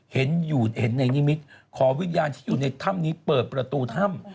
เห็นในนิมิตขอวิญญาณที่อยู่ในถ้ำนี้เปิดประตูถ้ำ